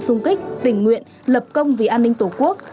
xung kích tình nguyện lập công vì an ninh tổ quốc